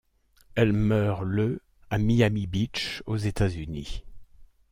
Elle meurt le à Miami Beach aux États-Unis.